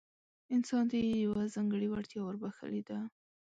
انسان ته يې يوه ځانګړې وړتيا وربښلې ده.